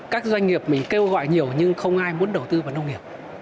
các doanh nghiệp mình kêu gọi nhiều nhưng không ai muốn đầu tư vào nông nghiệp